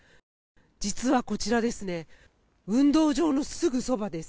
実はこちら運動場のすぐそばです。